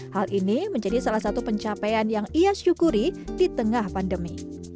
hal ini menjadi salah satu pencapaian yang ia syukuri di tengah pandemi